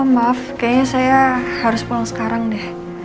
maaf kayaknya saya harus pulang sekarang deh